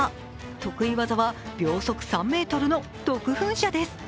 得意技は秒速３メートルの毒噴射です。